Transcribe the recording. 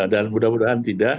dan mudah mudahan tidak